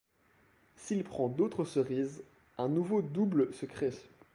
S'il prend d'autres cerises, un nouveau double se crée.